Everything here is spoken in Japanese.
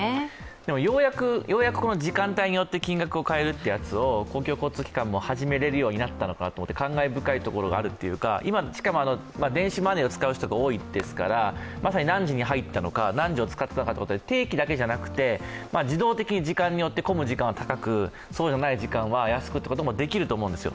でもようやく時間帯によって金額に変えるってやつを公共交通機関も始めれるようになったのかと感慨深いところがあるというかしかも、電子マネーを使う人が多いですから、まさに何時に入ったのか、定期だけじゃなくて、自動的に時間によって混む時間は高く、そうじゃない時間は安くということもできると思うんですよ。